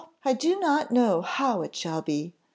I do not know how it will be!"